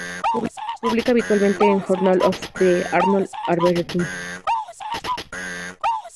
Publica habitualmente en Journal of the Arnold Arboretum.